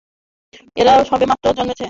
এরা সবে মাত্র জন্মেছে।